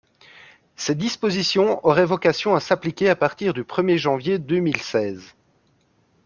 Ces dispositions auraient vocation à s’appliquer à partir du premier janvier deux mille seize.